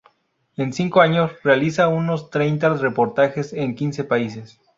En cinco años, realiza unos treinta reportajes en quince países.